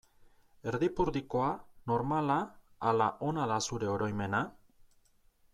Erdipurdikoa, normala ala ona da zure oroimena?